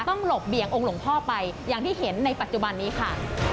หลบเบี่ยงองค์หลวงพ่อไปอย่างที่เห็นในปัจจุบันนี้ค่ะ